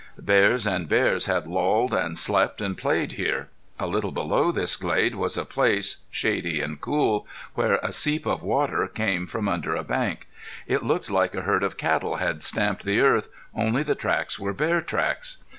Bears and bears had lolled and slept and played there. A little below this glade was a place, shady and cool, where a seep of water came from under a bank. It looked like a herd of cattle had stamped the earth, only the tracks were bear tracks.